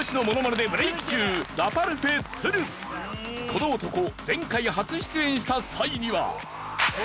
この男前回初出演した際には。